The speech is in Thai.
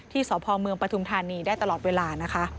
สพเมืองปฐุมธานีได้ตลอดเวลานะคะ